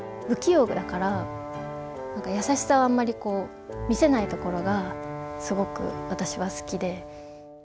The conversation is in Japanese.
不器用だから優しさはあんまり見せないところがすごく私は好きで。